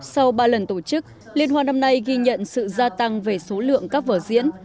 sau ba lần tổ chức liên hoan năm nay ghi nhận sự gia tăng về số lượng các vở diễn